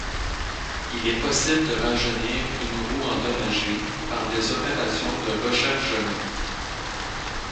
Il est possible de rajeunir une roue endommagée par des opérations de rechargement.